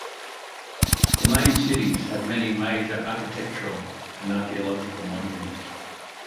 The main cities have many major architectural and archaeological monuments.